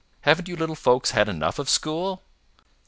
Haven't you little folks had enough of school?"